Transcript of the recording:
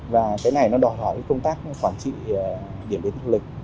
và cái này nó đòi hỏi công tác quản trị điểm đến du lịch